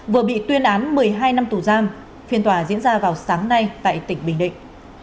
vừa bị tuyên án một mươi hai năm tù giam phiên tòa diễn ra vào sáng nay tại tỉnh bình định